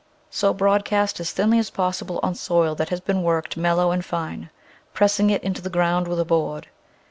Sow broadcast as thinly as possible on soil that has been worked mellow and fine, pressing it into the ground with a board.